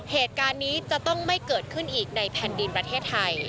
เหตุการณ์นี้จะต้องไม่เกิดขึ้นอีกในแผ่นดินประเทศไทย